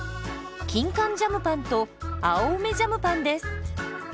キンカンジャムパンと青梅ジャムパンです。